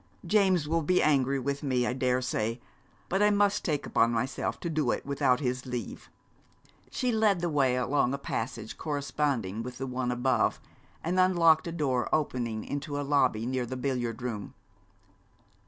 James will be angry with me, I daresay; but I must take upon myself to do it without his leave.' She led the way along a passage corresponding with the one above, and unlocked a door opening into a lobby near the billiard room.